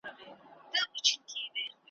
یوه وعده وه په اول کي مي در وسپارله ,